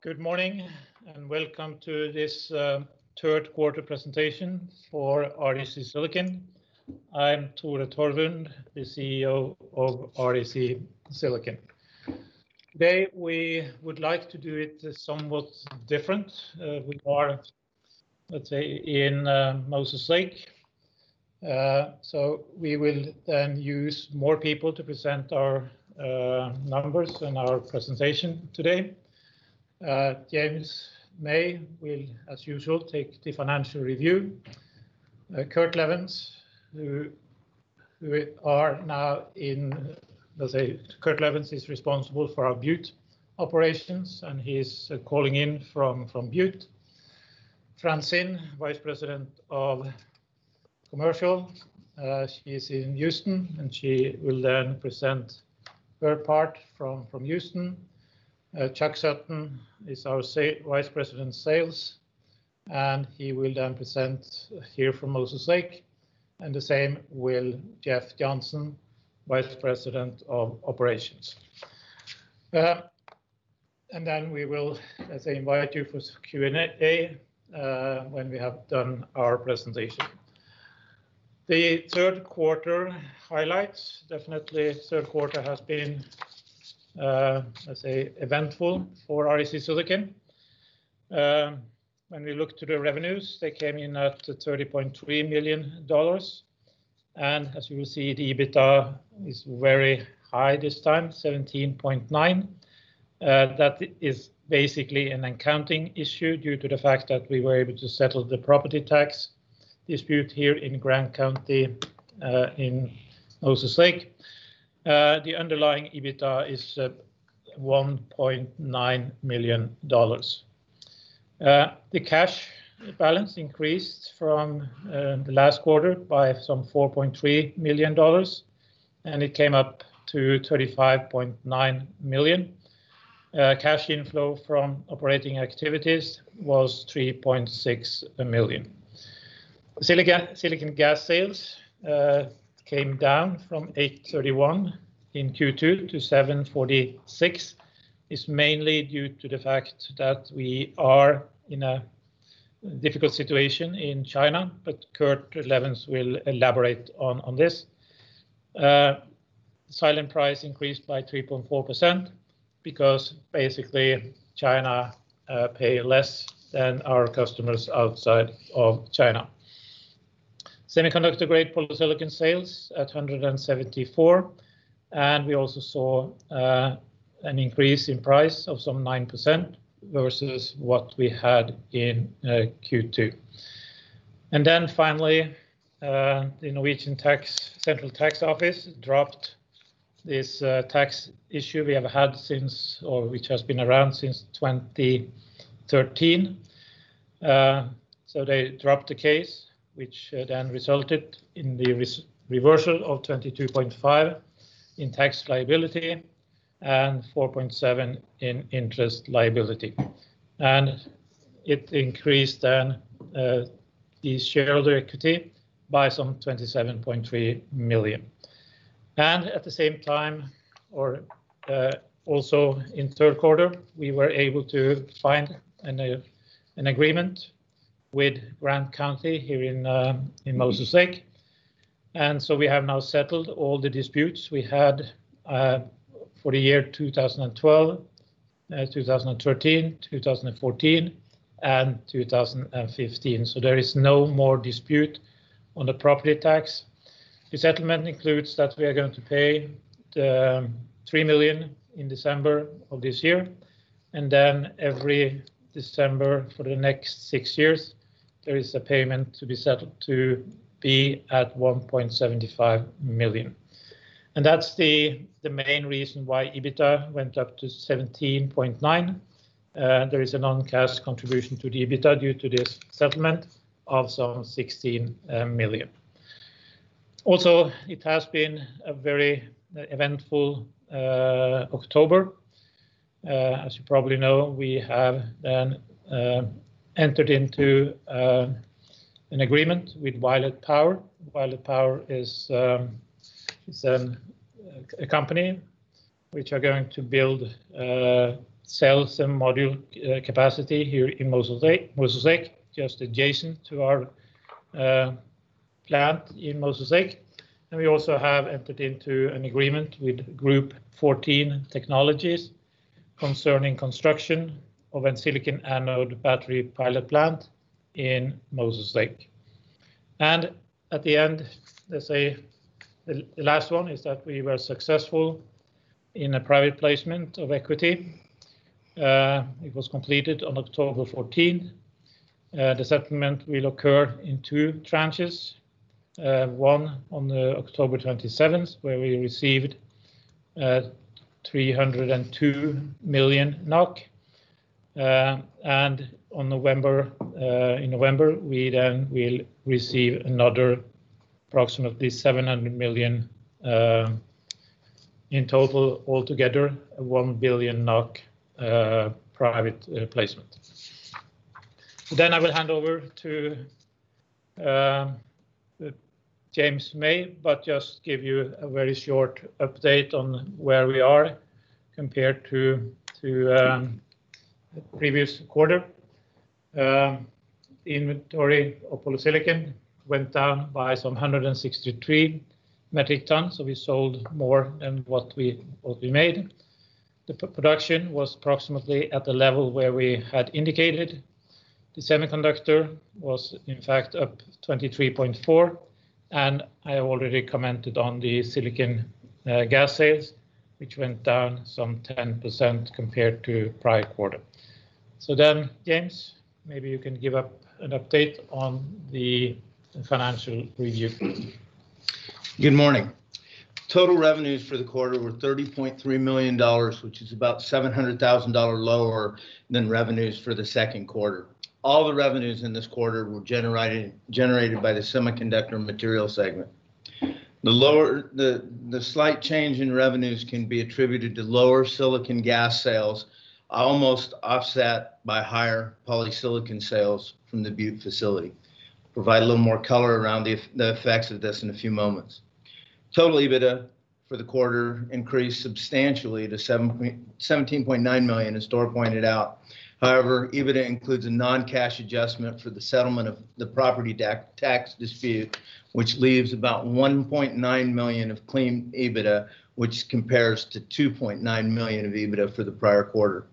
Good morning, welcome to this third quarter presentation for REC Silicon. I'm Tore Torvund, the CEO of REC Silicon. Today, we would like to do it somewhat different. We are in Moses Lake, we will use more people to present our numbers and our presentation today. James May will, as usual, take the financial review. Kurt Levens is responsible for our Butte operations, he's calling in from Butte. Francine Sullivan, Vice President of Commercial. She's in Houston, she will present her part from Houston. Chuck Sutton is our Vice President, Sales, he will present here from Moses Lake, the same will Jeff Johnson, Vice President of Operations. We will invite you for Q&A when we have done our presentation. The third quarter highlights. Definitely third quarter has been eventful for REC Silicon. We look to the revenues, they came in at $30.3 million. As you will see, the EBITDA is very high this time, $17.9 million. That is basically an accounting issue due to the fact that we were able to settle the property tax dispute here in Grant County, in Moses Lake. The underlying EBITDA is $1.9 million. The cash balance increased from the last quarter by some $4.3 million, and it came up to $35.9 million. Cash inflow from operating activities was $3.6 million. Silicon gas sales came down from 831 metric tons in Q2 to 746 metric tons. It's mainly due to the fact that we are in a difficult situation in China, Kurt Levens will elaborate on this. Silane price increased by 3.4% because basically China pay less than our customers outside of China. Semiconductor-grade polysilicon sales at 174 metric tons.. We also saw an increase in price of some 9% versus what we had in Q2. Finally, the Norwegian Central Tax Office dropped this tax issue we have had which has been around since 2013. They dropped the case, which then resulted in the reversal of $22.5 million in tax liability and $4.7 million in interest liability. It increased then the shareholder equity by some $27.3 million. At the same time, or also in third quarter, we were able to find an agreement with Grant County here in Moses Lake. We have now settled all the disputes we had for the year 2012, 2013, 2014, and 2015. There is no more dispute on the property tax. The settlement includes that we are going to pay the $3 million in December of this year, then every December for the next six years, there is a payment to be settled to be at $1.75 million. That's the main reason why EBITDA went up to $17.9 million. There is a non-cash contribution to the EBITDA due to this settlement of $16 million. It has been a very eventful October. As you probably know, we have then entered into an agreement with Violet Power. Violet Power is a company which are going to build cells and module capacity here in Moses Lake, just adjacent to our plant in Moses Lake. We also have entered into an agreement with Group14 Technologies concerning construction of a silicon anode battery pilot plant in Moses Lake. At the end, the last one is that we were successful in a private placement of equity. It was completed on October 14th. The settlement will occur in two tranches, one on October 27th, where we received 302 million NOK. In November, we will receive another approximately 700 million in total, altogether 1 billion NOK private placement. I will hand over to James May, just give you a very short update on where we are compared to the previous quarter. Inventory of polysilicon went down by some 163 metric tons. We sold more than what we made. The production was approximately at the level where we had indicated. The semiconductor was in fact up 23.4%. I already commented on the silicon gas sales, which went down some 10% compared to prior quarter. James, maybe you can give an update on the financial review. Good morning. Total revenues for the quarter were $30.3 million, which is about $700,000 lower than revenues for the second quarter. All the revenues in this quarter were generated by the Semiconductor Material segment. The slight change in revenues can be attributed to lower silicon gas sales, almost offset by higher polysilicon sales from the Butte facility. I will provide a little more color around the effects of this in a few moments. Total EBITDA for the quarter increased substantially to $17.9 million, as Tore pointed out. EBITDA includes a non-cash adjustment for the settlement of the property tax dispute, which leaves about $1.9 million of clean EBITDA, which compares to $2.9 million of EBITDA for the prior quarter.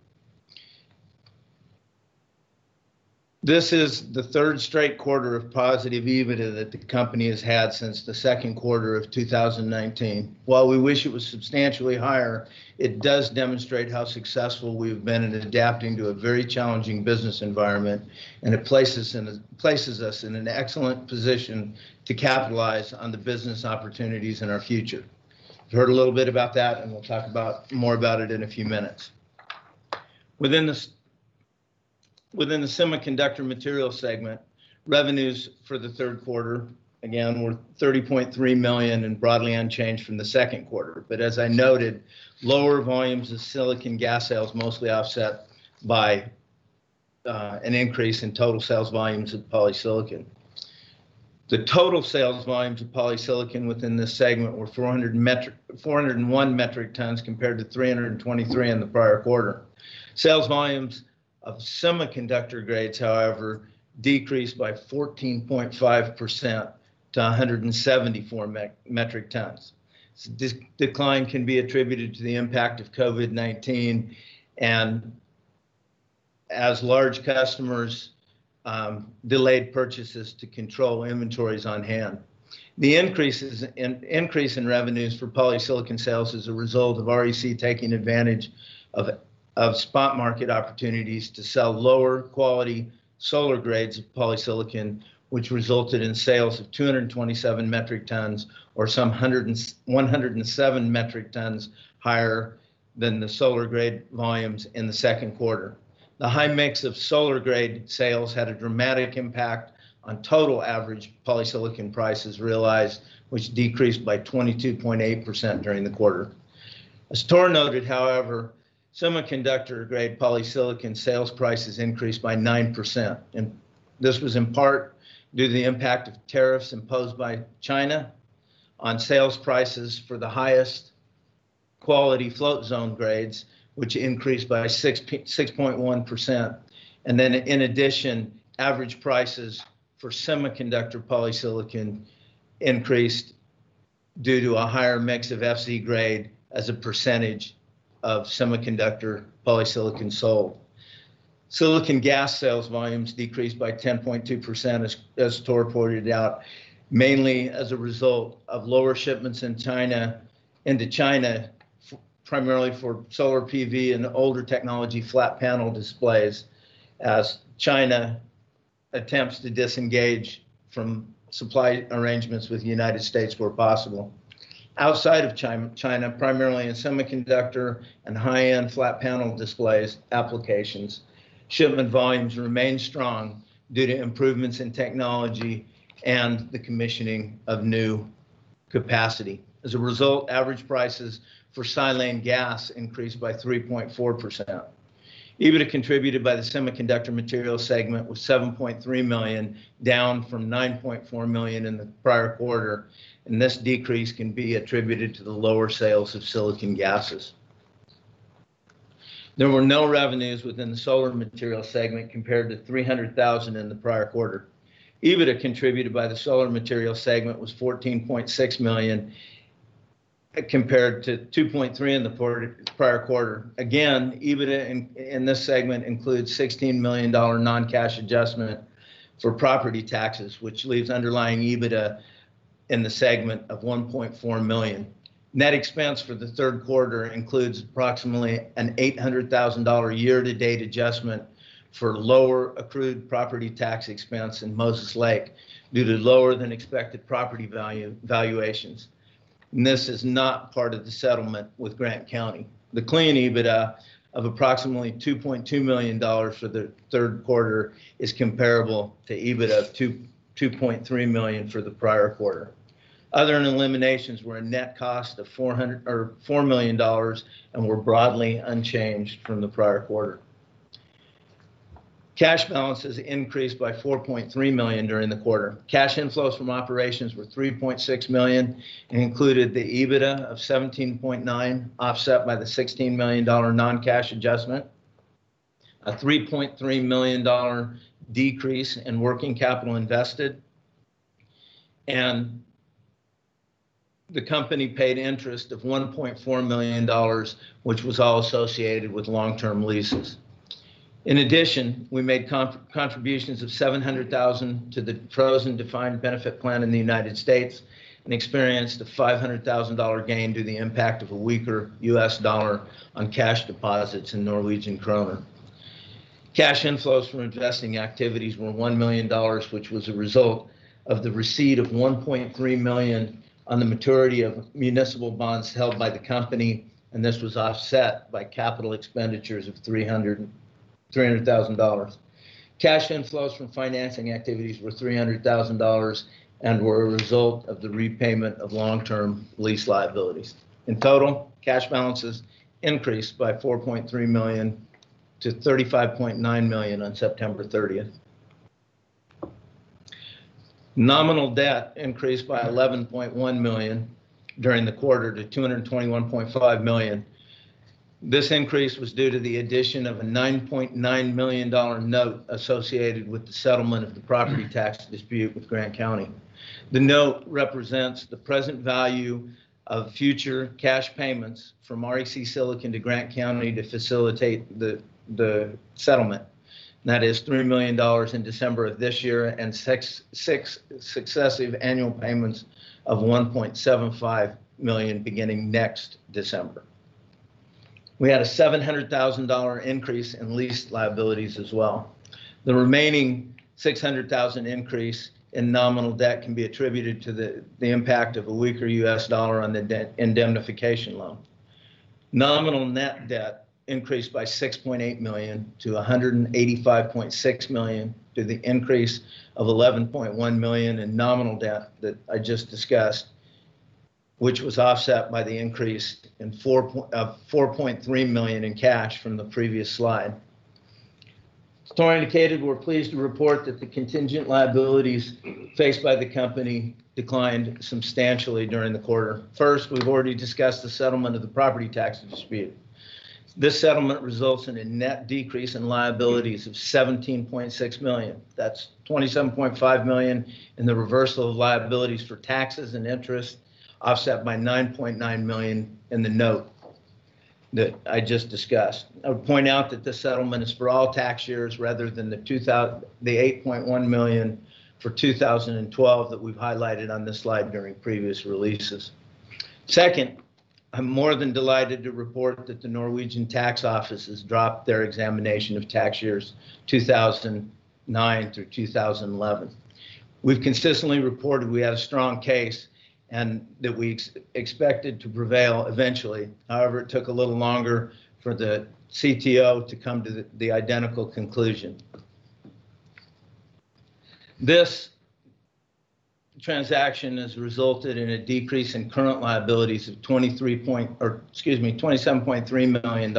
This is the third straight quarter of positive EBITDA that the company has had since the second quarter of 2019. While we wish it was substantially higher, it does demonstrate how successful we've been in adapting to a very challenging business environment, and it places us in an excellent position to capitalize on the business opportunities in our future. You heard a little bit about that, and we'll talk more about it in a few minutes. Within the Semiconductor Materials segment, revenues for the third quarter, again, were $30.3 million and broadly unchanged from the second quarter. As I noted, lower volumes of silicon gas sales mostly offset by an increase in total sales volumes of polysilicon. The total sales volumes of polysilicon within this segment were 401 metric tons compared to 323 metric tons in the prior quarter. Sales volumes of semiconductor grades, however, decreased by 14.5% to 174 metric tons. This decline can be attributed to the impact of COVID-19 and as large customers delayed purchases to control inventories on hand. The increase in revenues for polysilicon sales is a result of REC taking advantage of spot market opportunities to sell lower quality solar grades of polysilicon, which resulted in sales of 227 metric tons or some 107 metric tons higher than the solar grade volumes in the second quarter. The high mix of solar grade sales had a dramatic impact on total average polysilicon prices realized, which decreased by 22.8% during the quarter. As Tore noted, however, semiconductor grade polysilicon sales prices increased by 9%, and this was in part due to the impact of tariffs imposed by China on sales prices for the highest quality float zone grades, which increased by 6.1%. In addition, average prices for semiconductor polysilicon increased due to a higher mix of FZ grade as a percentage of semiconductor polysilicon sold. Silicon gas sales volumes decreased by 10.2%, as Tore pointed out, mainly as a result of lower shipments into China, primarily for solar PV and older technology flat panel displays, as China attempts to disengage from supply arrangements with the United States where possible. Outside of China, primarily in semiconductor and high-end flat panel displays applications, shipment volumes remain strong due to improvements in technology and the commissioning of new capacity. As a result, average prices for silane gas increased by 3.4%. EBITDA contributed by the Semiconductor Materials segment was $7.3 million, down from $9.4 million in the prior quarter, and this decrease can be attributed to the lower sales of silicon gases. There were no revenues within the Solar Materials segment compared to $300,000 in the prior quarter. EBITDA contributed by the Solar Materials segment was $14.6 million compared to $2.3 million in the prior quarter. EBITDA in this segment includes $16 million non-cash adjustment for property taxes, which leaves underlying EBITDA in the segment of $1.4 million. Net expense for the third quarter includes approximately an $800,000 year-to-date adjustment for lower accrued property tax expense in Moses Lake due to lower than expected property valuations. This is not part of the settlement with Grant County. The clean EBITDA of approximately $2.2 million for the third quarter is comparable to EBITDA of $2.3 million for the prior quarter. Other and eliminations were a net cost of $4 million and were broadly unchanged from the prior quarter. Cash balances increased by $4.3 million during the quarter. Cash inflows from operations were $3.6 million, included the EBITDA of $17.9 million, offset by the $16 million non-cash adjustment, a $3.3 million decrease in working capital invested, and the company paid interest of $1.4 million, which was all associated with long-term leases. In addition, we made contributions of $700,000 to the frozen defined benefit plan in the U.S., and experienced a $500,000 gain due to the impact of a weaker U.S. dollar on cash deposits in NOK. Cash inflows from investing activities were $1 million, which was a result of the receipt of $1.3 million on the maturity of municipal bonds held by the company, and this was offset by capital expenditures of $300,000. Cash inflows from financing activities were $300,000, and were a result of the repayment of long-term lease liabilities. In total, cash balances increased by $4.3 million to $35.9 million on September 30th. Nominal debt increased by $11.1 million during the quarter to $221.5 million. This increase was due to the addition of a $9.9 million note associated with the settlement of the property tax dispute with Grant County. The note represents the present value of future cash payments from REC Silicon to Grant County to facilitate the settlement. That is $3 million in December of this year, and six successive annual payments of $1.75 million beginning next December. We had a $700,000 increase in lease liabilities as well. The remaining $600,000 increase in nominal debt can be attributed to the impact of a weaker U.S. dollar on the indemnification loan. Nominal net debt increased by $6.8 million to $185.6 million, due to the increase of $11.1 million in nominal debt that I just discussed, which was offset by the increase of $4.3 million in cash from the previous slide. As Tore indicated, we're pleased to report that the contingent liabilities faced by the company declined substantially during the quarter. First, we've already discussed the settlement of the property tax dispute. This settlement results in a net decrease in liabilities of $17.6 million. That's $27.5 million in the reversal of liabilities for taxes and interest, offset by $9.9 million in the note that I just discussed. I would point out that this settlement is for all tax years rather than $8.1 million for 2012 that we've highlighted on this slide during previous releases. Second, I'm more than delighted to report that the Norwegian Tax Office has dropped their examination of tax years 2009 through 2011. We've consistently reported we had a strong case, and that we expected to prevail eventually. However, it took a little longer for the CTO to come to the identical conclusion. This transaction has resulted in a decrease in current liabilities of $27.3 million,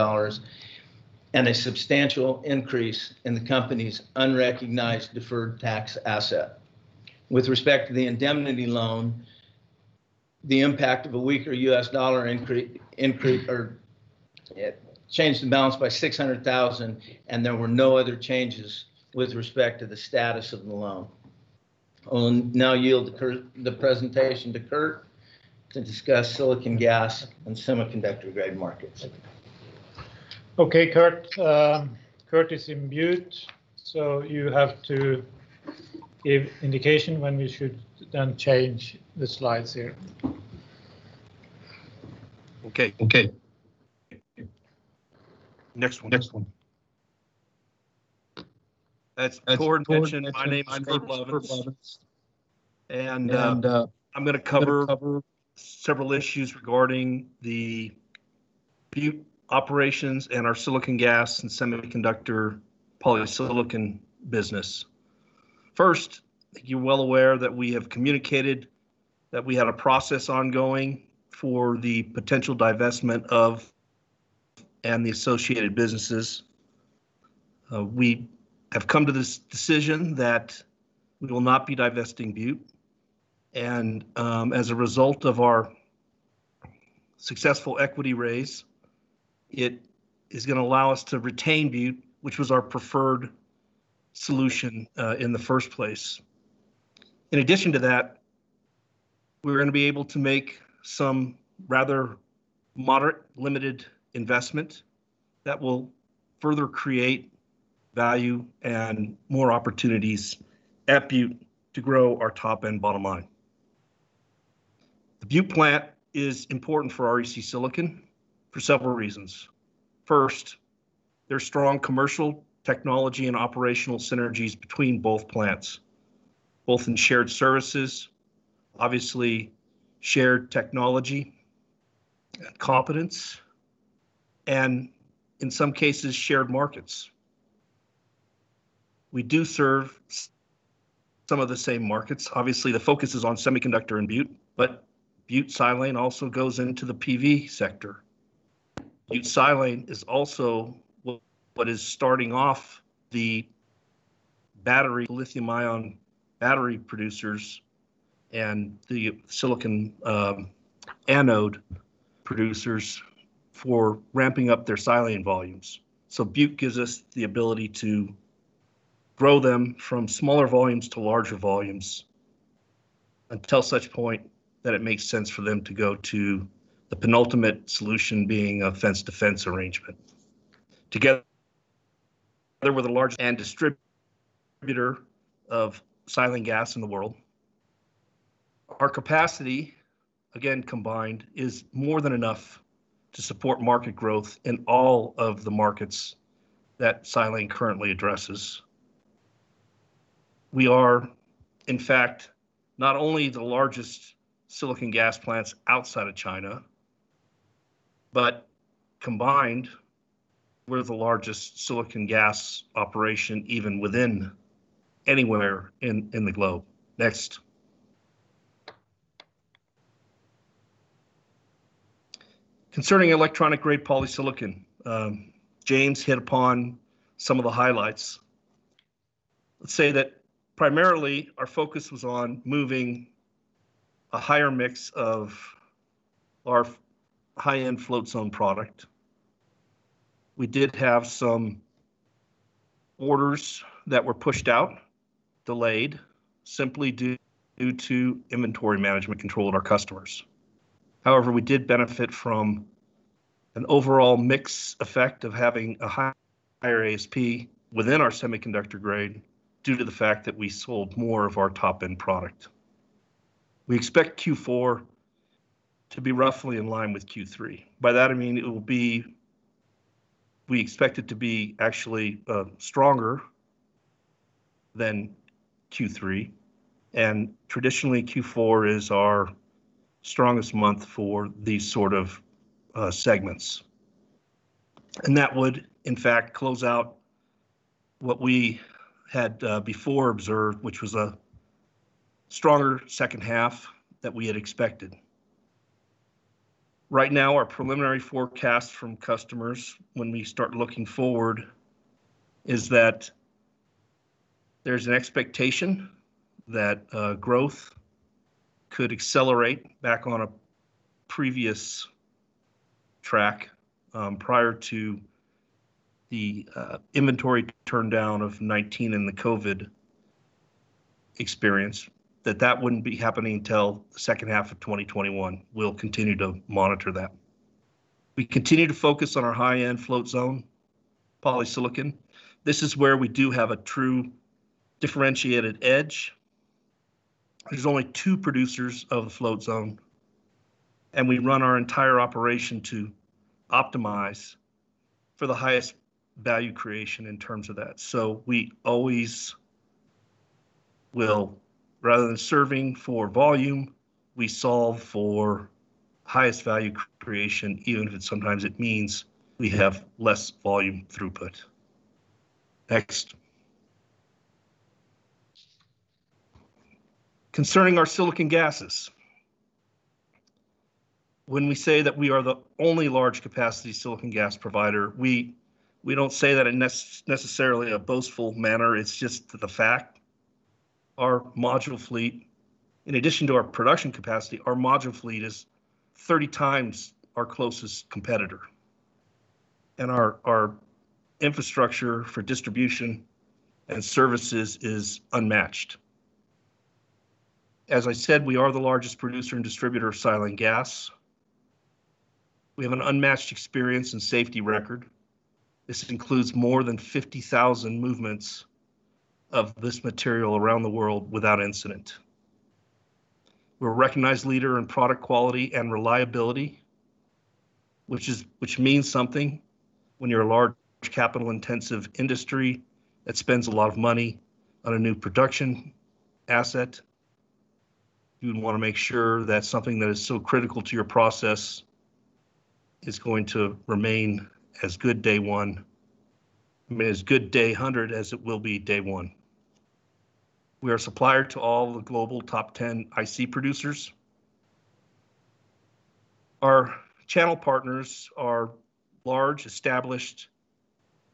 and a substantial increase in the company's unrecognized deferred tax asset. With respect to the indemnity loan, the impact of a weaker U.S. dollar changed the balance by $600,000, and there were no other changes with respect to the status of the loan. I'll now yield the presentation to Kurt to discuss silicon gas and semiconductor grade markets. Okay, Kurt. Kurt is in Butte, so you have to give indication when we should then change the slides here. Okay. Next one. As Tore mentioned, my name is Kurt Levens, and I'm going to cover several issues regarding the Butte operations and our silicon gas and semiconductor polysilicon business. First, I think you're well aware that we have communicated that we had a process ongoing for the potential divestment of, and the associated businesses. We have come to this decision that we will not be divesting Butte, as a result of our successful equity raise, it is going to allow us to retain Butte, which was our preferred solution in the first place. In addition to that, we're going to be able to make some rather moderate, limited investment that will further create value and more opportunities at Butte to grow our top and bottom line. The Butte plant is important for REC Silicon for several reasons. First, there are strong commercial technology and operational synergies between both plants, both in shared services, obviously shared technology and competence, and in some cases, shared markets. We do serve some of the same markets. Obviously, the focus is on Semiconductor and Butte, but Butte silane also goes into the PV sector. Butte silane is also what is starting off the battery, lithium-ion battery producers, and the silicon anode producers for ramping up their silane volumes. Butte gives us the ability to grow them from smaller volumes to larger volumes until such point that it makes sense for them to go to the penultimate solution being a fence-to-fence arrangement. Together with the largest distributor of silane gas in the world, our capacity, again combined, is more than enough to support market growth in all of the markets that silane currently addresses. We are, in fact, not only the largest silicon gas plants outside of China, but combined, we're the largest silicon gas operation even anywhere in the globe. Next. Concerning electronic-grade polysilicon, James hit upon some of the highlights. Let's say that primarily our focus was on moving a higher mix of our high-end float zone product. We did have some orders that were pushed out, delayed, simply due to inventory management control of our customers. However, we did benefit from an overall mix effect of having a higher ASP within our semiconductor grade due to the fact that we sold more of our top-end product. We expect Q4 to be roughly in line with Q3. By that, I mean we expect it to be actually stronger than Q3. Traditionally Q4 is our strongest month for these sort of segments. That would, in fact, close out what we had before observed, which was a stronger second half than we had expected. Right now, our preliminary forecast from customers when we start looking forward is that there's an expectation that growth could accelerate back on a previous track, prior to the inventory turndown of 2019 and the COVID-19 experience, that that wouldn't be happening till the second half of 2021. We'll continue to monitor that. We continue to focus on our high-end float zone polysilicon. This is where we do have a true differentiated edge. There's only two producers of the float zone, and we run our entire operation to optimize for the highest value creation in terms of that. We always will, rather than serving for volume, we solve for highest value creation, even if it sometimes means we have less volume throughput. Next. Concerning our silicon gases, when we say that we are the only large capacity silicon gas provider, we don't say that in necessarily a boastful manner, it's just the fact. Our module fleet, in addition to our production capacity, our module fleet is 30x our closest competitor. Our infrastructure for distribution and services is unmatched. As I said, we are the largest producer and distributor of silane gas. We have an unmatched experience and safety record. This includes more than 50,000 movements of this material around the world without incident. We're a recognized leader in product quality and reliability, which means something when you're a large capital-intensive industry that spends a lot of money on a new production asset. You would want to make sure that something that is so critical to your process is going to remain as good Day 100 as it will be Day 1. We are a supplier to all the global top 10 IC producers. Our channel partners are large, established,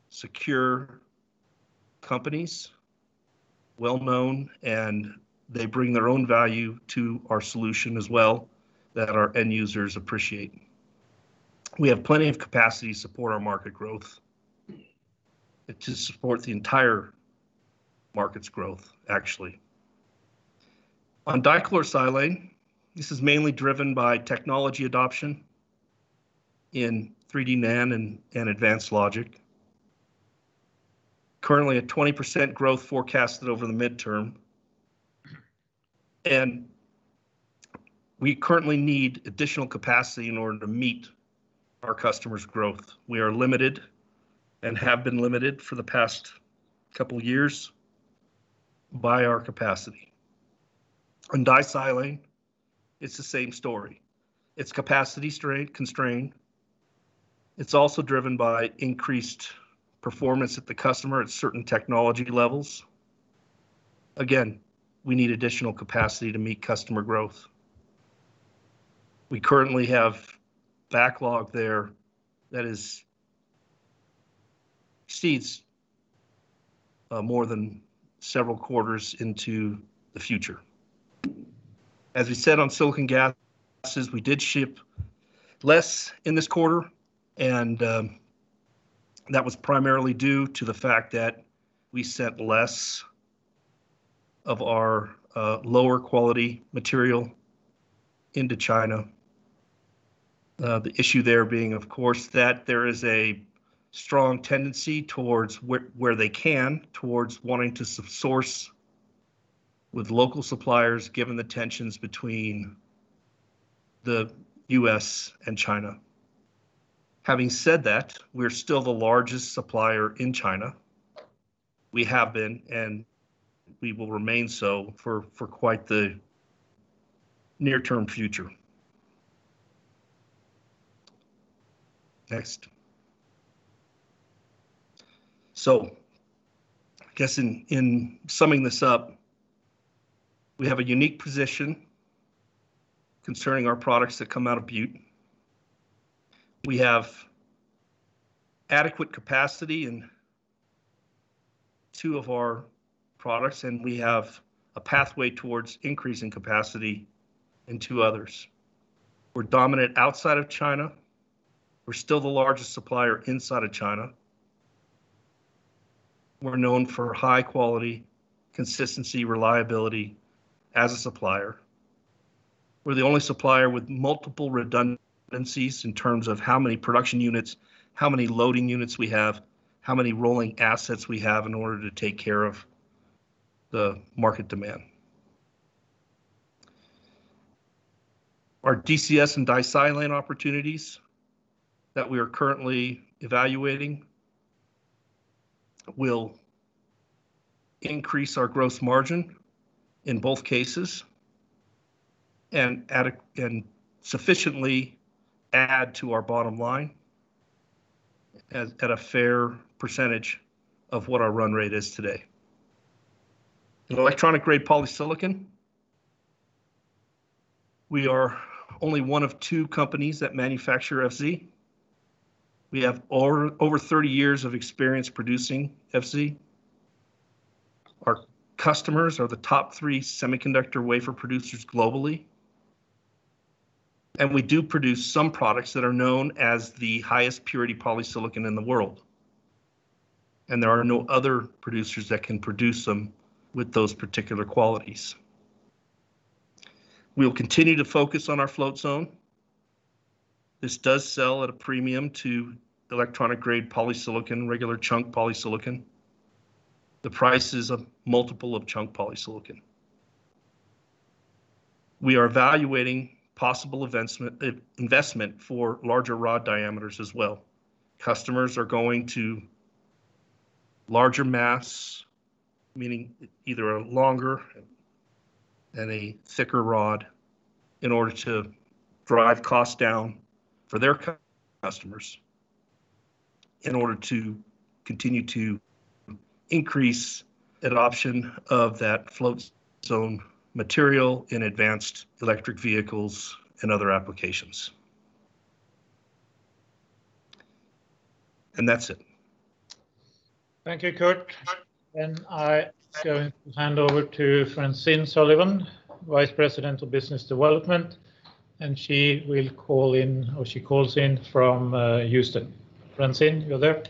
secure companies, well-known, and they bring their own value to our solution as well that our end users appreciate. We have plenty of capacity to support our market growth, to support the entire market's growth, actually. Dichlorosilane, this is mainly driven by technology adoption in 3D NAND and advanced logic. Currently a 20% growth forecasted over the midterm, we currently need additional capacity in order to meet our customers' growth. We are limited and have been limited for the past couple of years by our capacity. Disilane, it's the same story. It's capacity constrained. It's also driven by increased performance at the customer at certain technology levels. Again, we need additional capacity to meet customer growth. We currently have backlog there that exceeds more than several quarters into the future. As we said on silicon gases, we did ship less in this quarter. That was primarily due to the fact that we sent less of our lower quality material into China. The issue there being, of course, that there is a strong tendency, where they can, towards wanting to source with local suppliers, given the tensions between the U.S. and China. Having said that, we're still the largest supplier in China. We have been. We will remain so for quite the near-term future. Next. I guess in summing this up, we have a unique position concerning our products that come out of Butte. We have adequate capacity in two of our products. We have a pathway towards increasing capacity in two others. We're dominant outside of China. We're still the largest supplier inside of China. We're known for high quality, consistency, reliability as a supplier. We're the only supplier with multiple redundancies in terms of how many production units, how many loading units we have, how many rolling assets we have in order to take care of the market demand. Our DCS and disilane opportunities that we are currently evaluating will increase our gross margin in both cases and sufficiently add to our bottom line at a fair percentage of what our run rate is today. In electronic-grade polysilicon, we are only one of two companies that manufacture FZ. We have over 30 years of experience producing FZ. Our customers are the top three semiconductor wafer producers globally. We do produce some products that are known as the highest purity polysilicon in the world, and there are no other producers that can produce them with those particular qualities. We'll continue to focus on our float-zone. This does sell at a premium to electronic-grade polysilicon, regular chunk polysilicon. The price is a multiple of chunk polysilicon. We are evaluating possible investment for larger rod diameters as well. Customers are going to larger mass, meaning either a longer and a thicker rod in order to drive costs down for their customers in order to continue to increase adoption of that float-zone material in advanced electric vehicles and other applications. That's it. Thank you, Kurt. I going to hand over to Francine Sullivan, Vice President of Business Development, and she calls in from Houston. Francine, you're there?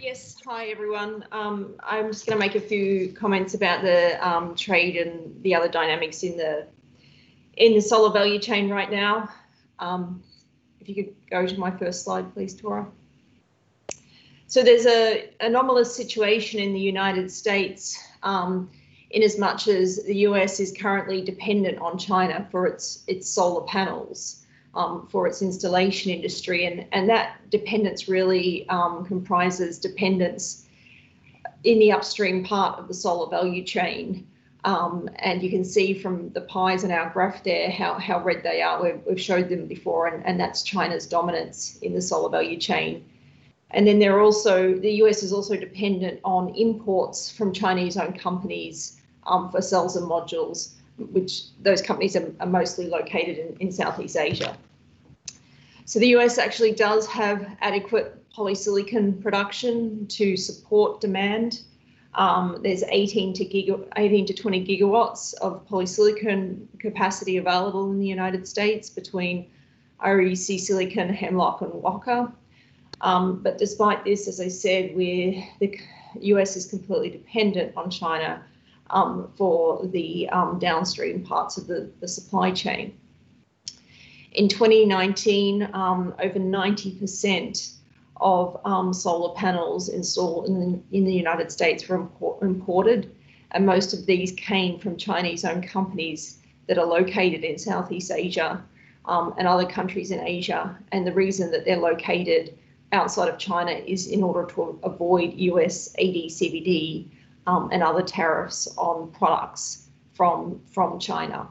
Yes. Hi, everyone. I'm just going to make a few comments about the trade and the other dynamics in the solar value chain right now. If you could go to my first slide, please, Tore. There's an anomalous situation in the U.S., in as much as the U.S. is currently dependent on China for its solar panels, for its installation industry, and that dependence really comprises dependence in the upstream part of the solar value chain. You can see from the pies in our graph there, how red they are. We've showed them before, and that's China's dominance in the solar value chain. The U.S. is also dependent on imports from Chinese-owned companies, for cells and modules, which those companies are mostly located in Southeast Asia. The U.S. actually does have adequate polysilicon production to support demand. There's 18 GW-20 GW of polysilicon capacity available in the U.S. between REC Silicon, Hemlock, and Wacker. Despite this, as I said, the U.S. is completely dependent on China, for the downstream parts of the supply chain. In 2019, over 90% of solar panels installed in the U.S. were imported, and most of these came from Chinese-owned companies that are located in Southeast Asia, and other countries in Asia. The reason that they're located outside of China is in order to avoid U.S. AD, CVD, and other tariffs on products from China.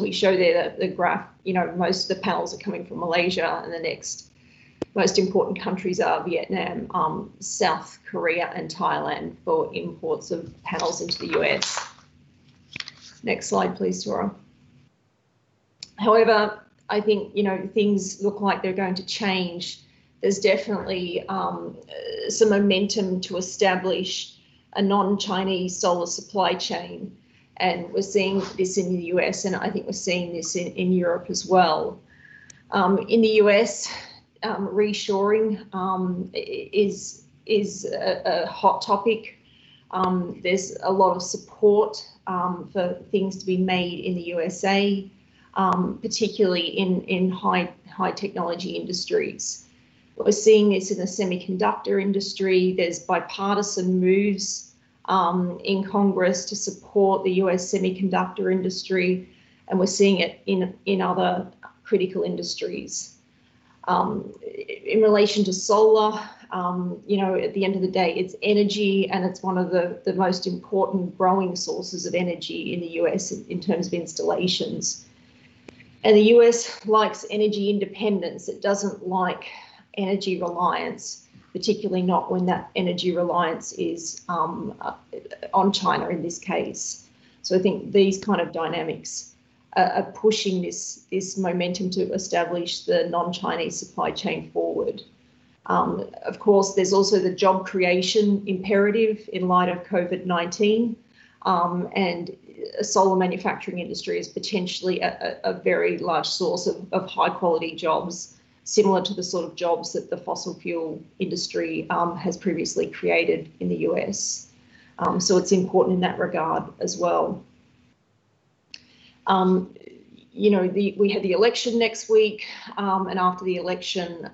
We show there the graph. Most of the panels are coming from Malaysia, and the next most important countries are Vietnam, South Korea, and Thailand for imports of panels into the U.S. Next slide, please, Tore. However, I think things look like they're going to change. There's definitely some momentum to establish a non-Chinese solar supply chain. We're seeing this in the U.S. I think we're seeing this in Europe as well. In the U.S., reshoring is a hot topic. There's a lot of support for things to be made in the USA, particularly in high technology industries. What we're seeing is in the semiconductor industry, there's bipartisan moves in Congress to support the U.S. semiconductor industry. We're seeing it in other critical industries. In relation to solar, at the end of the day, it's energy. It's one of the most important growing sources of energy in the U.S. in terms of installations. The U.S. likes energy independence. It doesn't like energy reliance, particularly not when that energy reliance is on China, in this case. I think these kind of dynamics are pushing this momentum to establish the non-Chinese supply chain forward. Of course, there's also the job creation imperative in light of COVID-19. Solar manufacturing industry is potentially a very large source of high-quality jobs, similar to the sort of jobs that the fossil fuel industry has previously created in the U.S. It's important in that regard as well. We have the election next week, and after the election,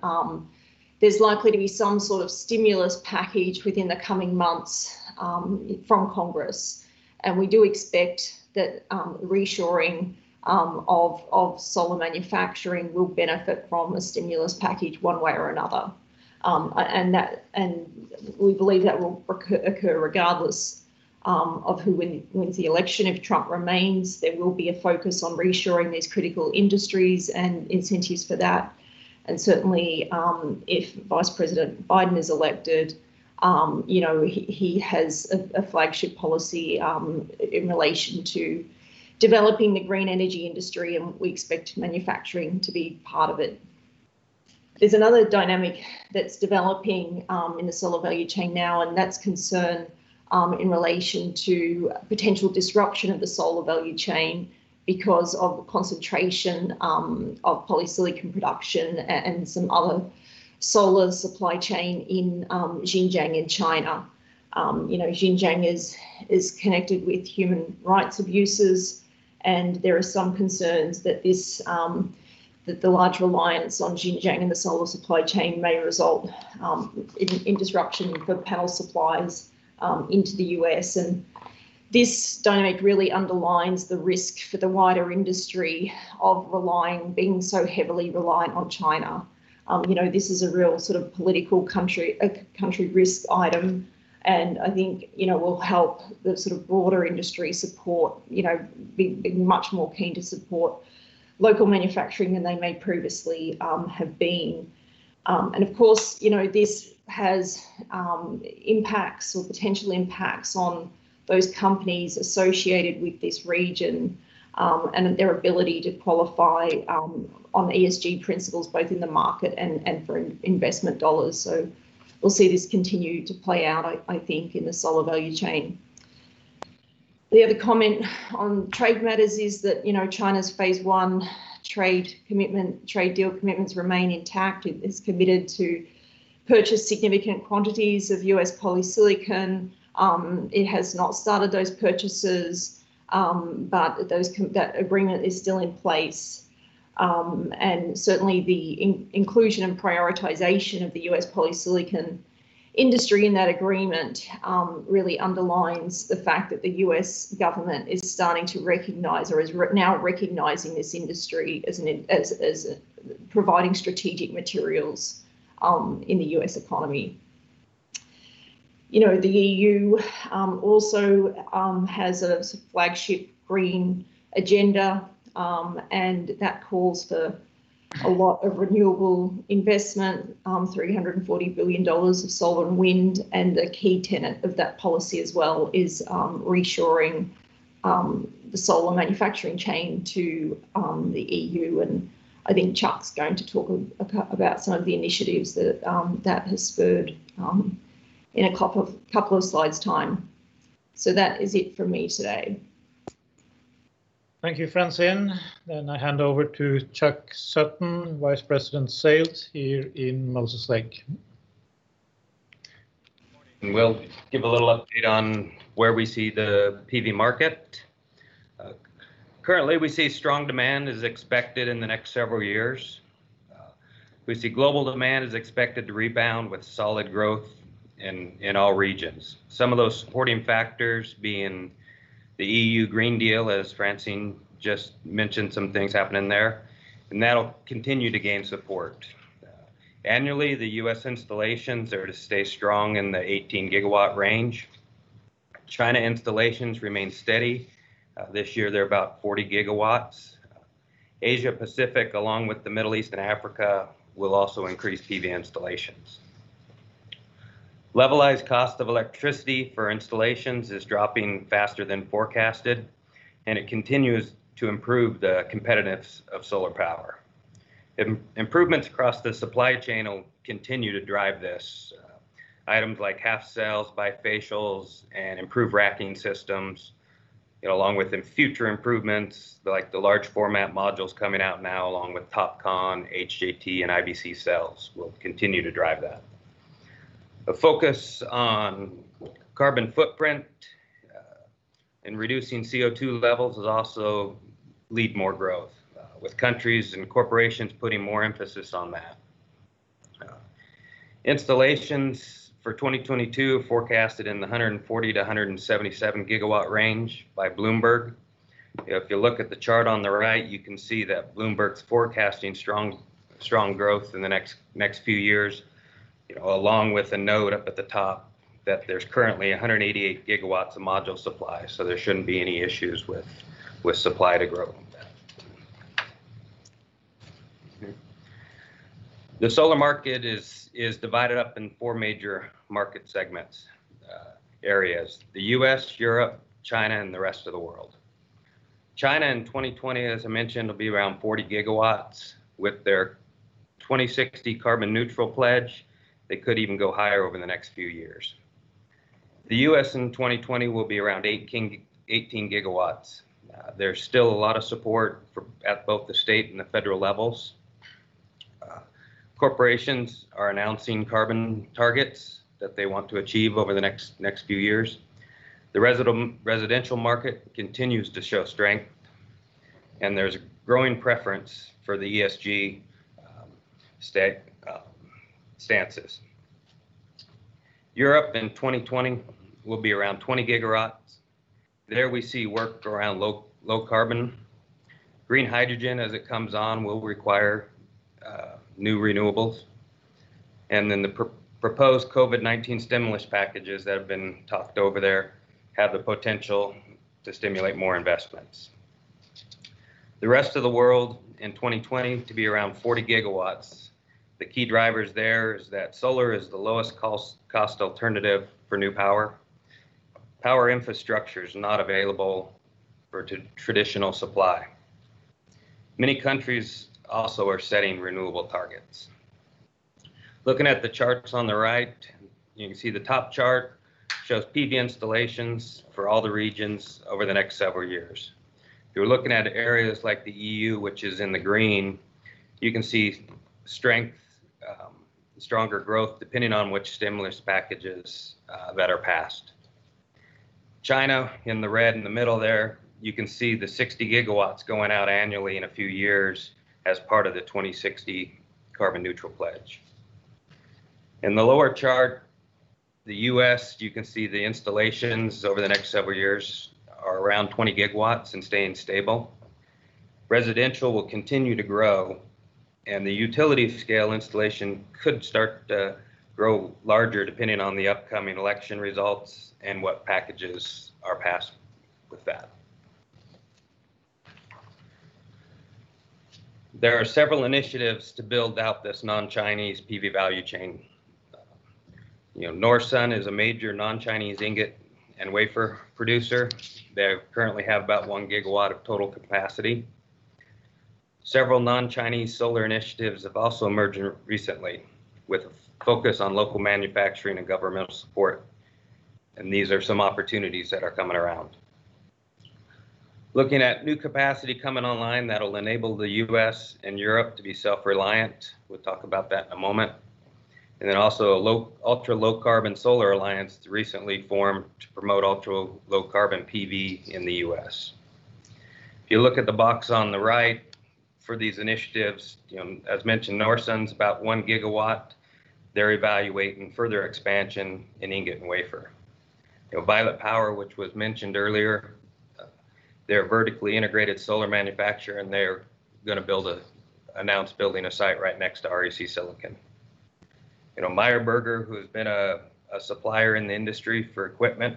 there's likely to be some sort of stimulus package within the coming months from Congress, and we do expect that reshoring of solar manufacturing will benefit from a stimulus package one way or another. We believe that will occur regardless of who wins the election. If Trump remains, there will be a focus on reshoring these critical industries and incentives for that. Certainly, if Vice President Biden is elected, he has a flagship policy in relation to developing the green energy industry, and we expect manufacturing to be part of it. There's another dynamic that's developing in the solar value chain now, and that's concern in relation to potential disruption of the solar value chain because of the concentration of polysilicon production and some other solar supply chain in Xinjiang, in China. Xinjiang is connected with human rights abuses, and there are some concerns that the large reliance on Xinjiang and the solar supply chain may result in disruption for panel supplies into the U.S. This dynamic really underlines the risk for the wider industry of being so heavily reliant on China. This is a real political country risk item, and I think will help the broader industry be much more keen to support local manufacturing than they may previously have been. Of course, this has impacts or potential impacts on those companies associated with this region, and their ability to qualify on ESG principles, both in the market and for investment dollars. We'll see this continue to play out, I think, in the solar value chain. The other comment on trade matters is that China's Phase One trade deal commitments remain intact. It's committed to purchase significant quantities of U.S. polysilicon. It has not started those purchases, but that agreement is still in place. Certainly, the inclusion and prioritization of the U.S. polysilicon industry in that agreement really underlines the fact that the U.S. government is starting to recognize or is now recognizing this industry as providing strategic materials in the U.S. economy. The EU also has a flagship green agenda, and that calls for a lot of renewable investment, $340 billion of solar and wind, and a key tenet of that policy as well is reshoring the solar manufacturing chain to the EU. I think Chuck's going to talk about some of the initiatives that has spurred in a couple of slides' time. That is it for me today. Thank you, Francine. I hand over to Chuck Sutton, Vice President of Sales here in Moses Lake. Good morning. We'll give a little update on where we see the PV market. Currently, we see strong demand is expected in the next several years. We see global demand is expected to rebound with solid growth in all regions. Some of those supporting factors being the European Green Deal, as Francine just mentioned some things happening there, that'll continue to gain support. Annually, the U.S. installations are to stay strong in the 18 GW range. China installations remain steady. This year they're about 40 GW. Asia-Pacific, along with the Middle East and Africa, will also increase PV installations. Levelized cost of electricity for installations is dropping faster than forecasted, it continues to improve the competitiveness of solar power. Improvements across the supply chain will continue to drive this. Items like half cells, bifacials, and improved racking systems, along with future improvements, like the large format modules coming out now, along with TOPCon, HJT, and IBC cells will continue to drive that. A focus on carbon footprint and reducing CO2 levels will also lead more growth, with countries and corporations putting more emphasis on that. Installations for 2022 are forecasted in the 140 GW-177 GW range by Bloomberg. If you look at the chart on the right, you can see that Bloomberg's forecasting strong growth in the next few years, along with a note up at the top that there's currently 188 GW of module supply. There shouldn't be any issues with supply to grow. The solar market is divided up in four major market segments, areas. The U.S., Europe, China, and the rest of the world. China in 2020, as I mentioned, will be around 40 GW. With their 2060 carbon neutral pledge, they could even go higher over the next few years. The U.S. in 2020 will be around 18 GW. There's still a lot of support at both the state and the federal levels. Corporations are announcing carbon targets that they want to achieve over the next few years. The residential market continues to show strength, and there's a growing preference for the ESG stances. Europe in 2020 will be around 20 GW. There we see work around low carbon. Green hydrogen, as it comes on, will require new renewables. The proposed COVID-19 stimulus packages that have been talked over there have the potential to stimulate more investments. The rest of the world in 2020 to be around 40 GW. The key drivers there is that solar is the lowest cost alternative for new power. Power infrastructure is not available for traditional supply. Many countries also are setting renewable targets. Looking at the charts on the right, you can see the top chart shows PV installations for all the regions over the next several years. If you're looking at areas like the EU, which is in the green, you can see strength, stronger growth, depending on which stimulus packages that are passed. China in the red in the middle there, you can see the 60 GW going out annually in a few years as part of the 2060 carbon neutral pledge. In the lower chart, the U.S., you can see the installations over the next several years are around 20 GW and staying stable. Residential will continue to grow and the utility scale installation could start to grow larger depending on the upcoming election results and what packages are passed with that. There are several initiatives to build out this non-Chinese PV value chain. NorSun is a major non-Chinese ingot and wafer producer. They currently have about 1 GW of total capacity. Several non-Chinese solar initiatives have also emerged recently with a focus on local manufacturing and governmental support, and these are some opportunities that are coming around. Looking at new capacity coming online that'll enable the U.S. and Europe to be self-reliant, we'll talk about that in a moment. Also, an Ultra Low-Carbon Solar Alliance that's recently formed to promote ultra low carbon PV in the U.S. If you look at the box on the right for these initiatives, as mentioned, NorSun's about 1 GW. They're evaluating further expansion in ingot and wafer. Violet Power, which was mentioned earlier, they're a vertically integrated solar manufacturer, and they're going to announce building a site right next to REC Silicon. Meyer Burger, who's been a supplier in the industry for equipment,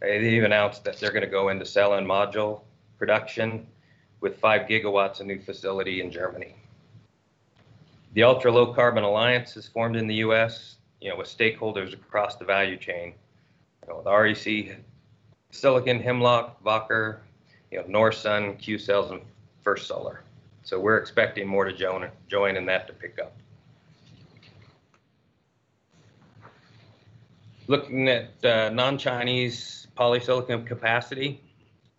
they've announced that they're going to go into cell and module production with 5 GW of new facility in Germany. The Ultra Low-Carbon Solar Alliance is formed in the U.S. with stakeholders across the value chain, REC Silicon, Hemlock, Wacker, NorSun, Qcells, and First Solar. We're expecting more to join in that to pick up. Looking at non-Chinese polysilicon capacity,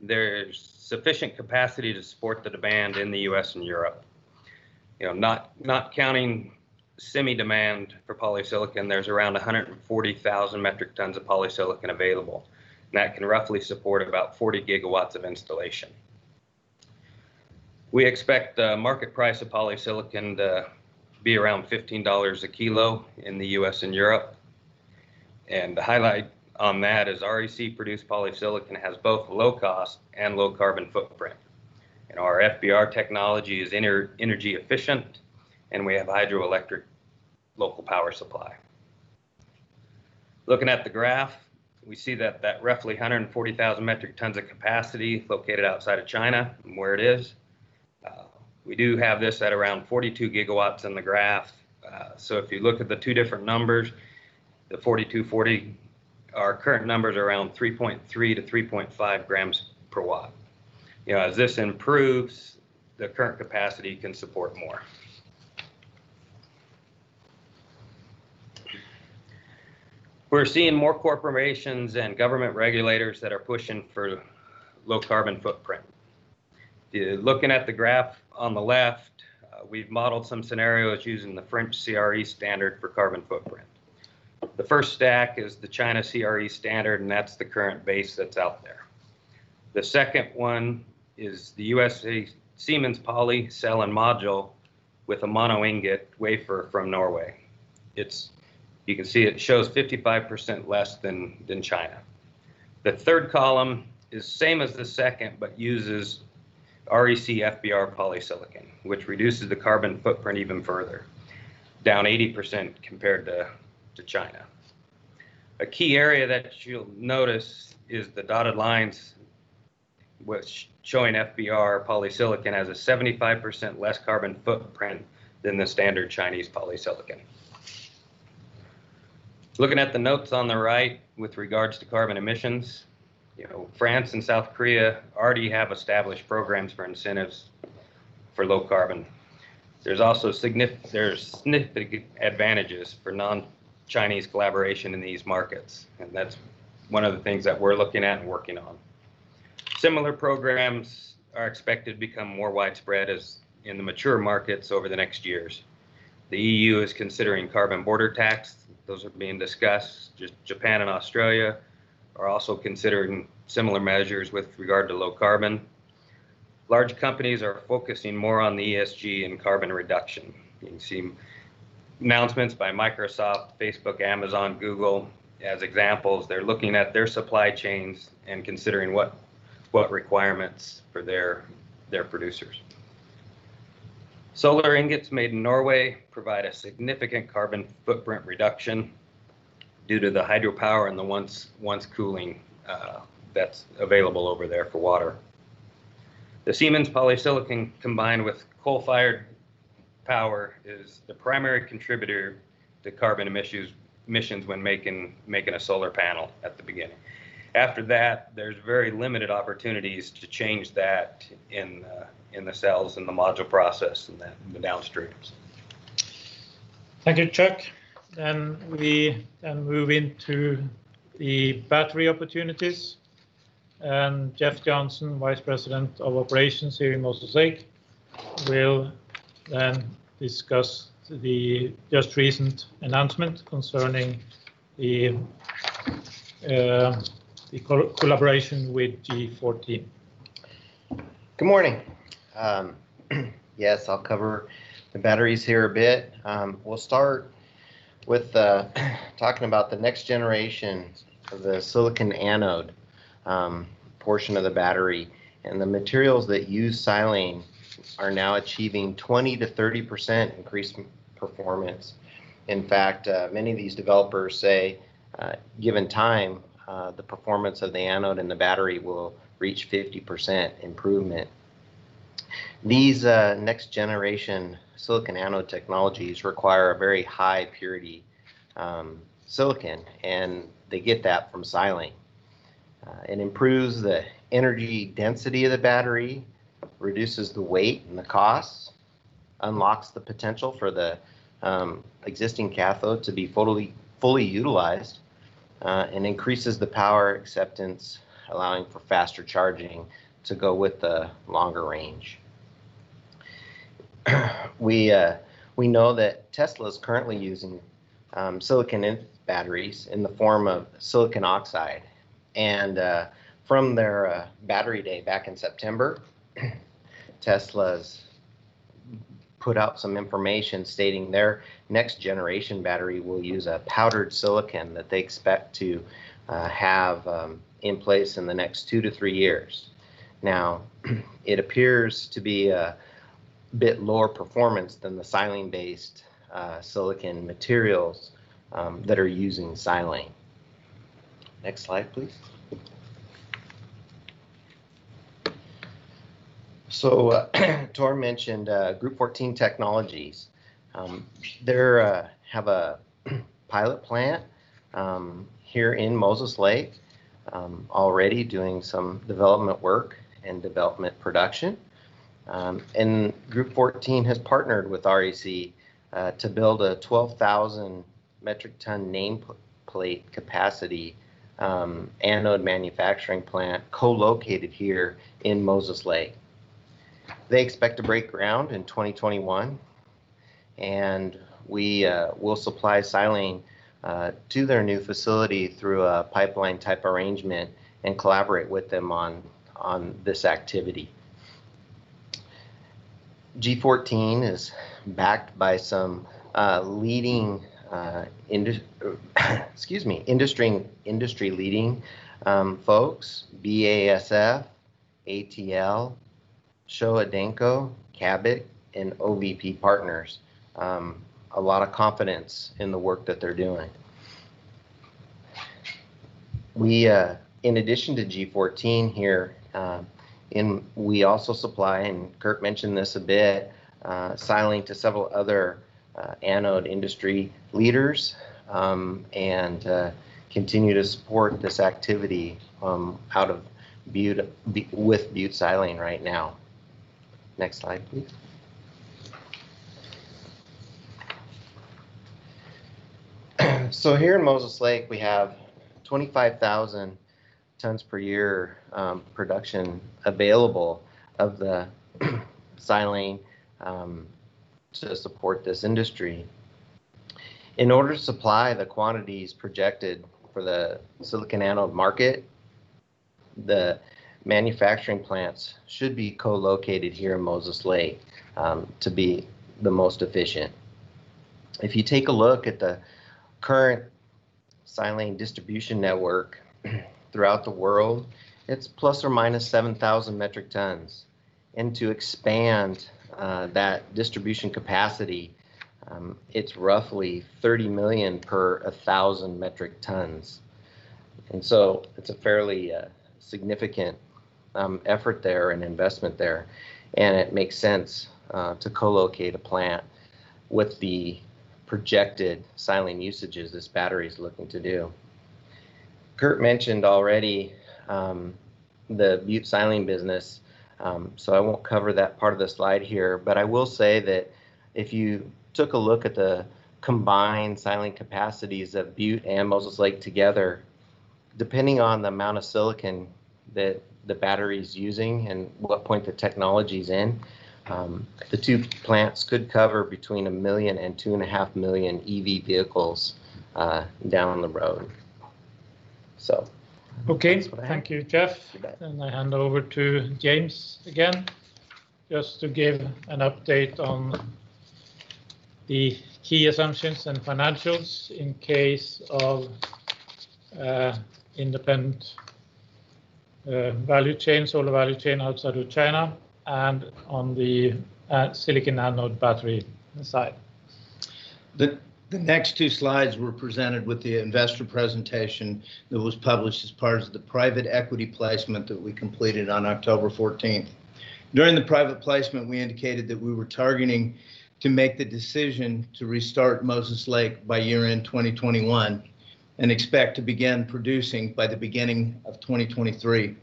there's sufficient capacity to support the demand in the U.S. and Europe. Not counting semi demand for polysilicon, there is around 140,000 metric tons of polysilicon available, and that can roughly support about 40 GW of installation. We expect the market price of polysilicon to be around $15 a kg in the U.S. and Europe. The highlight on that is REC-produced polysilicon has both low cost and low carbon footprint. Our FBR technology is energy efficient, and we have hydroelectric local power supply. Looking at the graph, we see that roughly 140,000 metric tons of capacity located outside of China, and where it is. We do have this at around 42 GW in the graph. If you look at the two different numbers, the 42, 40, our current number is around 3.3-3.5 g/W. As this improves, the current capacity can support more. We are seeing more corporations and government regulators that are pushing for low carbon footprint. Looking at the graph on the left, we've modeled some scenarios using the French CRE standard for carbon footprint. That's the China CRE standard, and that's the current base that's out there. The second one is the USA Siemens poly cell and module with a mono ingot wafer from Norway. You can see it shows 55% less than China. The third column is same as the second but uses REC FBR polysilicon, which reduces the carbon footprint even further, down 80% compared to China. A key area that you'll notice is the dotted lines showing FBR polysilicon has a 75% less carbon footprint than the standard Chinese polysilicon. Looking at the notes on the right with regards to carbon emissions. France and South Korea already have established programs for incentives for low carbon. There's significant advantages for non-Chinese collaboration in these markets, and that's one of the things that we're looking at and working on. Similar programs are expected to become more widespread in the mature markets over the next years. The EU is considering carbon border tax. Those are being discussed. Japan and Australia are also considering similar measures with regard to low carbon. Large companies are focusing more on the ESG and carbon reduction. You can see announcements by Microsoft, Facebook, Amazon, Google as examples. They're looking at their supply chains and considering what requirements for their producers. Solar ingots made in Norway provide a significant carbon footprint reduction due to the hydropower and the once-cooling that's available over there for water. The Siemens polysilicon combined with coal-fired power is the primary contributor to carbon emissions when making a solar panel at the beginning. After that, there's very limited opportunities to change that in the cells, in the module process, and then the downstreams. Thank you, Chuck. We can move into the battery opportunities. Jeff Johnson, Vice President of Operations here in Moses Lake, will then discuss the just recent announcement concerning the collaboration with Group14. Good morning. Yes, I'll cover the batteries here a bit. We'll start with talking about the next generation of the silicon anode portion of the battery. The materials that use silane are now achieving 20%-30% increased performance. In fact, many of these developers say given time, the performance of the anode and the battery will reach 50% improvement. These next generation silicon anode technologies require a very high purity silicon, and they get that from silane. It improves the energy density of the battery, reduces the weight and the cost, unlocks the potential for the existing cathode to be fully utilized, and increases the power acceptance, allowing for faster charging to go with the longer range. We know that Tesla's currently using silicon in batteries in the form of silicon oxide. From their Battery Day back in September, Tesla's put out some information stating their next generation battery will use a powdered silicon that they expect to have in place in the next two to three years. It appears to be a bit lower performance than the silane-based silicon materials that are using silane. Next slide, please. Tore mentioned Group14 Technologies. They have a pilot plant here in Moses Lake already doing some development work and development production. Group14 has partnered with REC to build a 12,000 metric ton nameplate capacity anode manufacturing plant co-located here in Moses Lake. They expect to break ground in 2021. We will supply silane to their new facility through a pipeline-type arrangement and collaborate with them on this activity. G14 is backed by some industry-leading folks, BASF, ATL, Showa Denko, Cabot, and OVP partners. A lot of confidence in the work that they're doing. In addition to Group14 here, we also supply, and Kurt mentioned this a bit, silane to several other anode industry leaders, and continue to support this activity with Butte silane right now. Next slide, please. Here in Moses Lake, we have 25,000 tons per year production available of the silane to support this industry. In order to supply the quantities projected for the silicon anode market, the manufacturing plants should be co-located here in Moses Lake to be the most efficient. If you take a look at the current silane distribution network throughout the world, it's ±7,000 metric tons. To expand that distribution capacity, it's roughly $30 million per 1,000 metric tons. It's a fairly significant effort there and investment there, and it makes sense to co-locate a plant with the projected silane usages this battery's looking to do. Kurt mentioned already the Butte silane business, so I won't cover that part of the slide here, but I will say that if you took a look at the combined silane capacities of Butte and Moses Lake together, depending on the amount of silicon that the battery's using and what point the technology's in, the two plants could cover between 1 million and 2.5 million EV vehicles down the road. That's what I have. Okay. Thank you, Jeff. I hand over to James again just to give an update on the key assumptions and financials in case of independent value chain, solar value chain outside of China, and on the silicon anode battery side. The next two slides were presented with the Investor Presentation that was published as part of the private equity placement that we completed on October 14th. During the private placement, we indicated that we were targeting to make the decision to restart Moses Lake by year-end 2021, and expect to begin producing by the beginning of 2023.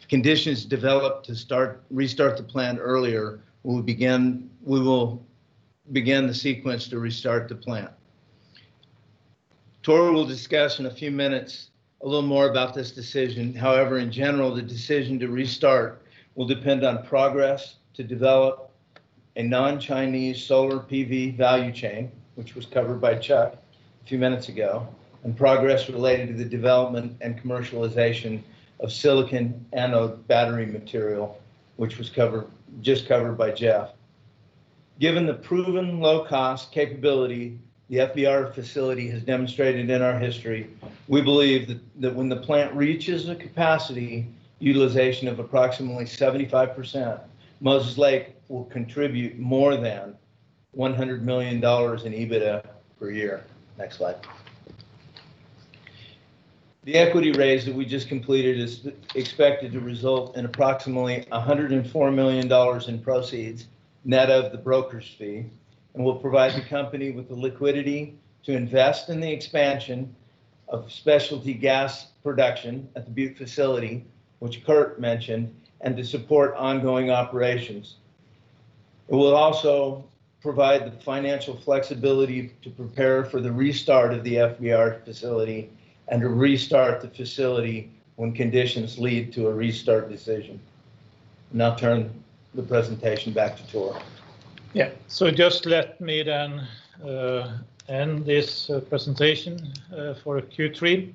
If conditions develop to restart the plant earlier, we will begin the sequence to restart the plant. Tore will discuss in a few minutes a little more about this decision. However, in general, the decision to restart will depend on progress to develop a non-Chinese solar PV value chain, which was covered by Chuck a few minutes ago, and progress related to the development and commercialization of silicon anode battery material, which was just covered by Jeff. Given the proven low-cost capability the FBR facility has demonstrated in our history, we believe that when the plant reaches a capacity utilization of approximately 75%, Moses Lake will contribute more than $100 million in EBITDA per year. Next slide. The equity raise that we just completed is expected to result in approximately $104 million in proceeds, net of the broker's fee, and will provide the company with the liquidity to invest in the expansion of specialty gas production at the Butte facility, which Kurt mentioned, and to support ongoing operations. It will also provide the financial flexibility to prepare for the restart of the FBR facility and to restart the facility when conditions lead to a restart decision. Turn the presentation back to Tore. Yeah. Just let me then end this presentation for Q3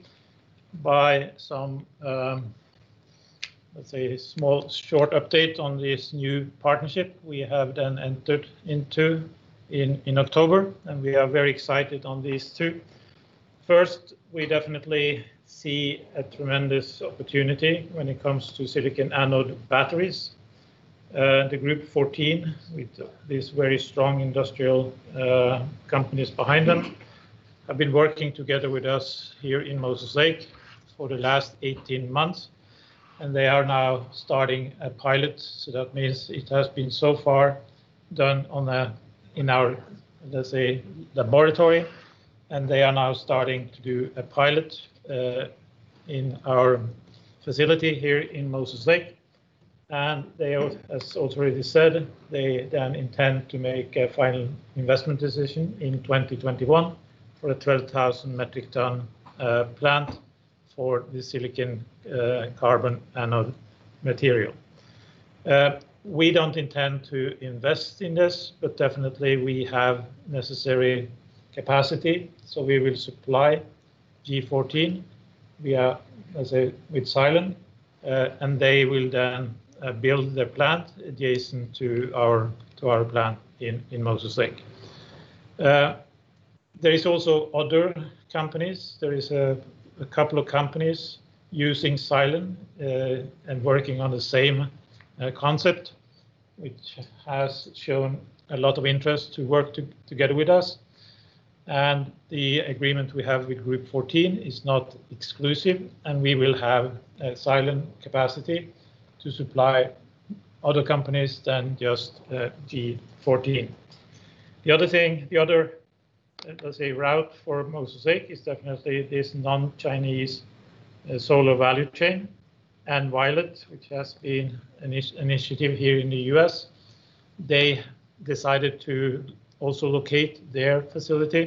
by some, let's say, a small, short update on this new partnership we have then entered into in October, and we are very excited on these two. First, we definitely see a tremendous opportunity when it comes to silicon anode batteries. The Group14, with these very strong industrial companies behind them, have been working together with us here in Moses Lake for the last 18 months, and they are now starting a pilot. That means it has been so far done in our, let's say, laboratory, and they are now starting to do a pilot in our facility here in Moses Lake. They, as also already said, they then intend to make a final investment decision in 2021 for a 12,000 metric ton plant for the silicon-carbon anode material. We don't intend to invest in this, definitely we have necessary capacity, so we will supply Group14 with silane, and they will then build their plant adjacent to our plant in Moses Lake. There is also other companies. There is a couple of companies using silane and working on the same concept, which has shown a lot of interest to work together with us. The agreement we have with Group14 is not exclusive, and we will have silane capacity to supply other companies than just Group14. The other route for Moses Lake is definitely this non-Chinese solar value chain and Violet, which has been an initiative here in the U.S. They decided to also locate their facility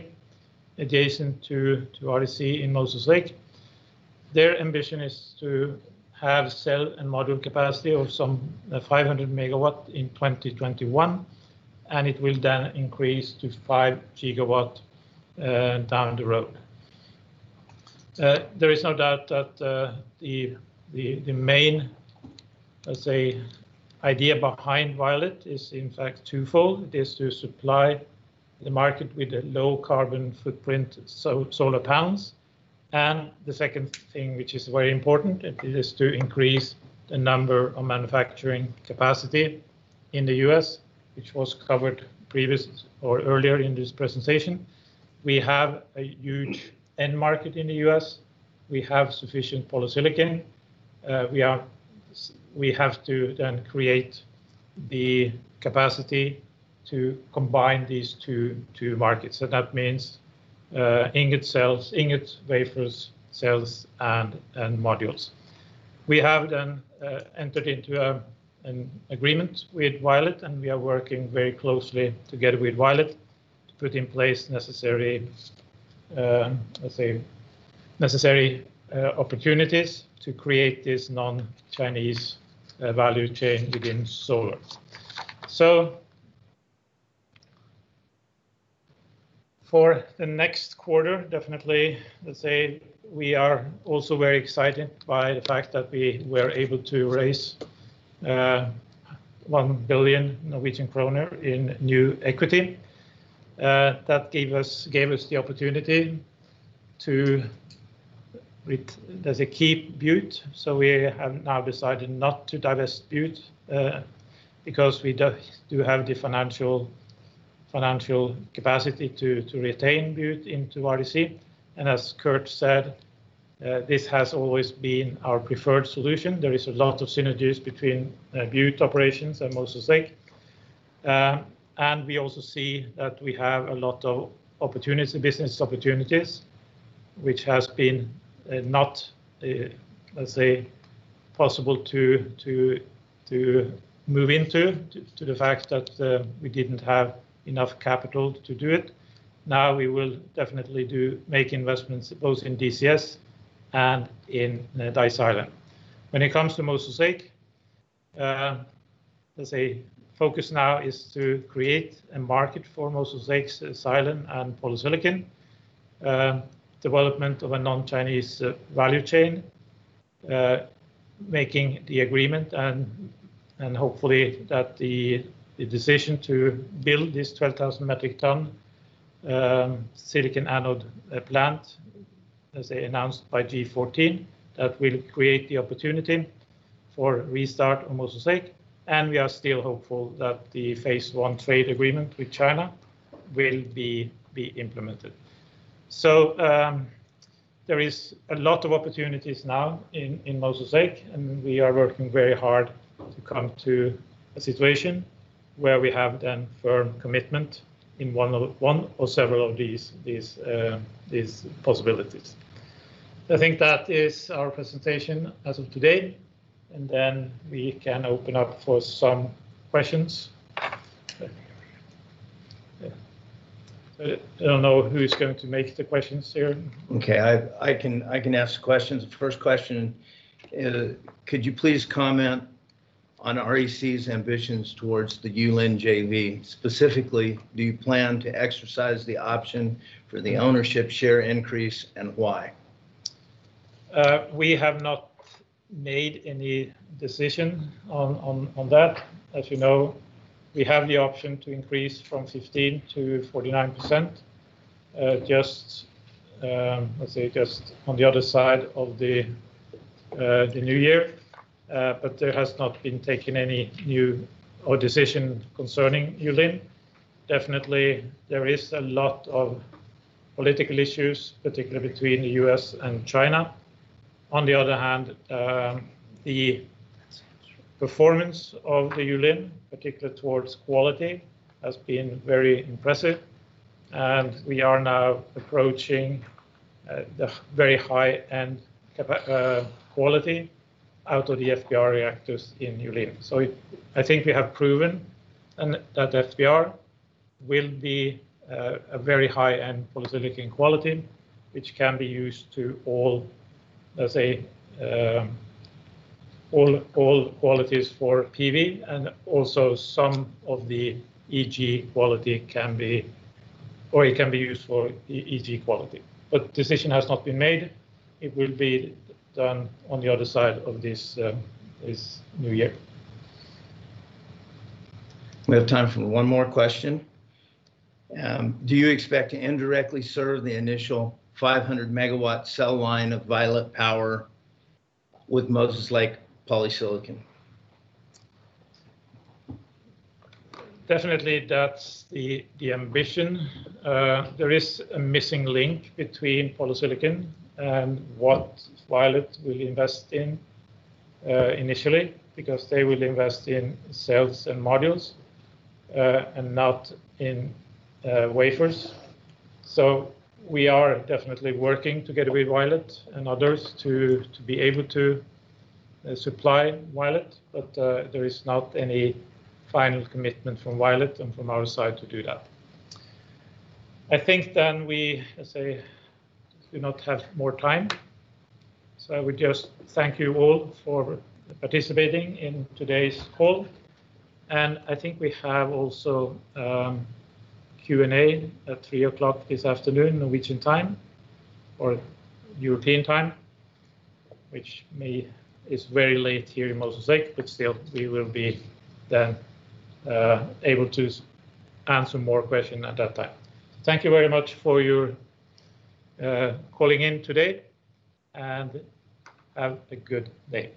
adjacent to REC in Moses Lake. Their ambition is to have cell and module capacity of some 500 MW in 2021, and it will then increase to 5 GW down the road. There is no doubt that the main idea behind Violet is in fact twofold. It is to supply the market with a low carbon footprint, so solar panels. The second thing, which is very important, it is to increase the number of manufacturing capacity in the U.S., which was covered earlier in this presentation. We have a huge end market in the U.S. We have sufficient polysilicon. We have to then create the capacity to combine these two markets. That means ingot cells, ingot wafers, cells, and modules. We have entered into an agreement with Violet, and we are working very closely together with Violet to put in place necessary opportunities to create this non-Chinese value chain within solar. For the next quarter, definitely, let's say we are also very excited by the fact that we were able to raise 1 billion Norwegian kroner in new equity. That gave us the opportunity to keep Butte. We have now decided not to divest Butte, because we do have the financial capacity to retain Butte into REC. As Kurt said, this has always been our preferred solution. There is a lot of synergies between Butte operations and Moses Lake. We also see that we have a lot of business opportunities, which has been not possible to move into, due to the fact that we didn't have enough capital to do it. Now we will definitely make investments both in DCS and in disilane. When it comes to Moses Lake, the focus now is to create a market for Moses Lake's silane and polysilicon, development of a non-Chinese value chain, making the agreement and hopefully that the decision to build this 12,000 metric ton silicon anode plant, as they announced by Group14, that will create the opportunity for restart of Moses Lake. We are still hopeful that the Phase One trade agreement with China will be implemented. There is a lot of opportunities now in Moses Lake, and we are working very hard to come to a situation where we have then firm commitment in one or several of these possibilities. I think that is our presentation as of today, and then we can open up for some questions. I don't know who's going to make the questions here. I can ask the questions. The first question is, could you please comment on REC's ambitions towards the Yulin JV? Specifically, do you plan to exercise the option for the ownership share increase, and why? We have not made any decision on that. As you know, we have the option to increase from 15% to 49%, just on the other side of the new year. There has not been taken any new decision concerning Yulin. Definitely, there is a lot of political issues, particularly between the U.S. and China. On the other hand, the performance of the Yulin, particularly towards quality, has been very impressive, and we are now approaching the very high-end quality out of the FBR reactors in Yulin. I think we have proven that FBR will be a very high-end polysilicon quality, which can be used to all qualities for PV and also some of the EG quality can be, or it can be used for EG quality. Decision has not been made. It will be done on the other side of this new year. We have time for one more question. Do you expect to indirectly serve the initial 500 MW cell line of Violet Power with Moses Lake polysilicon? Definitely that's the ambition. There is a missing link between polysilicon and what Violet will invest in initially, because they will invest in cells and modules, and not in wafers. We are definitely working together with Violet and others to be able to supply Violet, but there is not any final commitment from Violet and from our side to do that. I think we do not have more time. I would just thank you all for participating in today's call, and I think we have also Q&A at 3:00 P.M. this afternoon, Norwegian time or European time, which is very late here in Moses Lake. Still, we will be then able to answer more question at that time. Thank you very much for your calling in today, and have a good day.